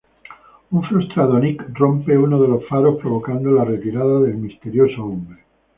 Un frustrado Nick rompe uno de los faros provocando la retirada del misterioso hombre.